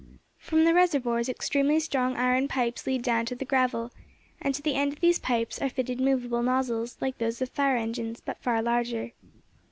From the reservoirs extremely strong iron pipes lead down to the gravel, and to the end of these pipes are fitted movable nozzles, like those of fire engines, but far larger.